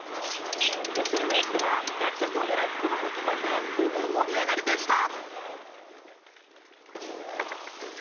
ＳＮＳでは、落札を狙う航空機ファンで大盛り上がりでした。